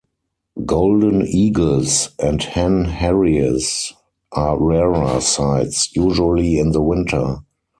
Golden eagles and hen harriers are rarer sights, usually in the winter.